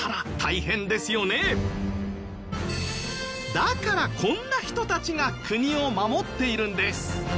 だからこんな人たちが国を守っているんです。